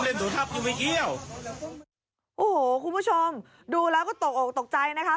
โอ้โฮคุณผู้ชมดูแล้วก็ตกออกตกใจนะคะ